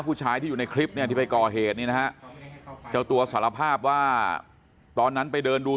ผู้ชายที่อยู่ในคลิปที่ไปก่อเหตุสารภาพว่าตอนนั้นไปเดินดู